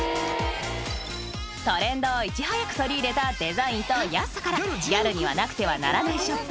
［トレンドをいち早く取り入れたデザインと安さからギャルにはなくてはならないショップ。